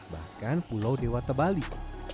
bahkan pulau dewata balik